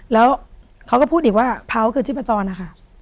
แล้วเขาก็พูดอีกว่าเพราคือชิบประจอนอ่ะค่ะ